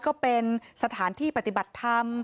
ก็เป็นสถานที่ปฏิบัติธรรม